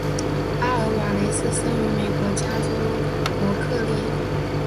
阿尔瓦雷茨生于美国加州伯克利。